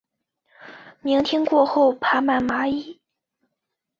明天过后爬满蚂蚁